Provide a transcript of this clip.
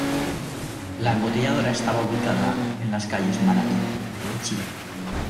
La embotelladora estaba ubicada en las calles Manabí y Chile.